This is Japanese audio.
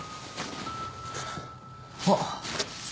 あっ。